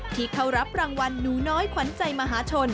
ที่เขารับรางวัลหนูน้อยขวัญใจมหาชน